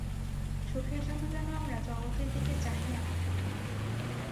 সুখের জন্য যেন আমরা জগতের দিকে চাহিয়া না থাকি।